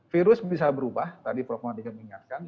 virus bisa berubah tadi programatiknya mengingatkan